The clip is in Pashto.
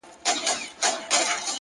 ساقي وتاته مو په ټول وجود سلام دی پيره ـ